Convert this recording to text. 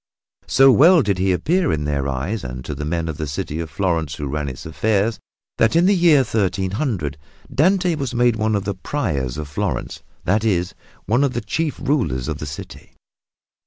So well did he appear in their eyes and to the men of the city of Florence who ran its affairs that in the year 1300 Dante was made one of the Priors of Florence, that is, one of the chief rulers of the city.